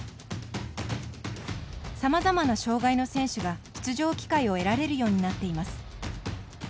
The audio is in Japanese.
さまざまな障がいの選手が出場機会を得られるようになっています。